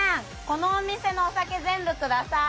このお店のお酒全部下さい。